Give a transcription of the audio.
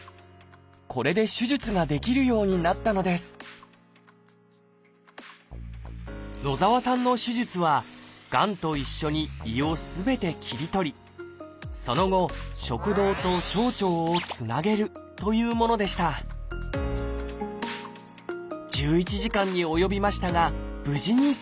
これで手術ができるようになったのです野澤さんの手術はがんと一緒に胃をすべて切り取りその後食道と小腸をつなげるというものでした１１時間に及びましたが無事に成功。